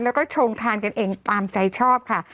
แล้วก็ชงทานกันเองตามใจชอบค่ะ